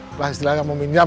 setelah istri layak meminjam